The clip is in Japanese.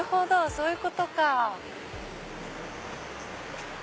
そういうことか。